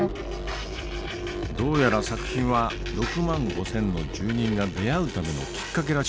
どうやら作品は６万５，０００の住人が出会うためのきっかけらしい。